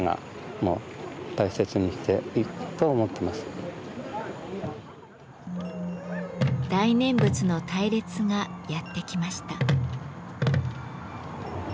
私たちは大念仏の隊列がやって来ました。